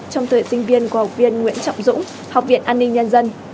trong thời sinh viên của học viên nguyễn trọng dũng học viện an ninh nhân dân